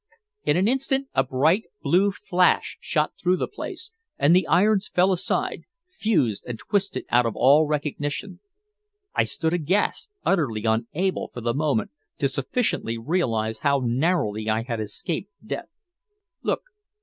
In an instant a bright blue flash shot through the place, and the irons fell aside, fused and twisted out of all recognition. I stood aghast, utterly unable for the moment to sufficiently realize how narrowly I had escaped death. "Look!